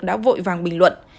đã vội vàng bình luận